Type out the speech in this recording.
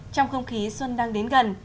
trong không khí xuân đang đến gần